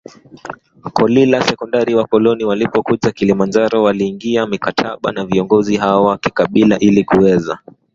kolila sekondari Wakoloni walipokuja Kilimanjaro waliingia mikataba na viongozi hawa wa kikabila ili kuweza